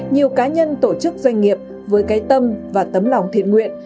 nhiều cá nhân tổ chức doanh nghiệp với cái tâm và tấm lòng thiện nguyện